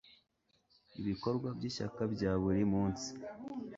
ibikorwa by ishyaka bya buri munsi